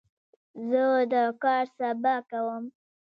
زه دا کار سبا کوم.